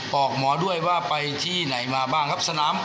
บอกหมอด้วยว่าไปที่ไหนมาบ้างครับสนาม